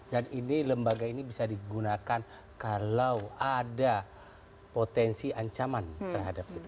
dan ini lembaga ini bisa digunakan kalau ada potensi ancaman terhadap itu